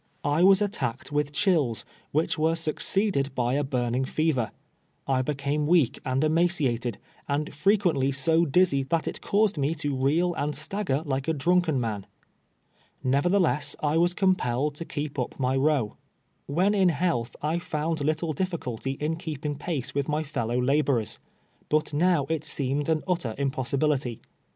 I was attacked with chills, which were succeeded by a burning fever. I became weak and emaciated, and frequently so diz zy that it caused rae to reel and stagger like a drunk en man. Nevertheless, I was compelled to keep up my row. AYhen in health I found little difficulty in keeping pace with my fellow laborers, but now it seemed to be an utter impossibility.